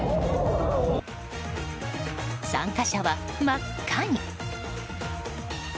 参加者は真っ赤に。